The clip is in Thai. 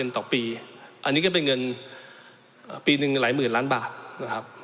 ต่อปีอันนี้ก็เป็นเงินปีหนึ่งหลายหมื่นล้านบาทนะครับ